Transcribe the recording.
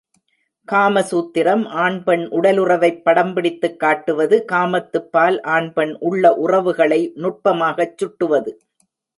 காமசூத்திரம் ஆண் பெண் உடலுறவைப் படம் பிடித்துக் காட்டுவது காமத்துப்பால் ஆண் பெண் உள்ள உறவுகளை நுட்பமாகச் சுட்டுவது.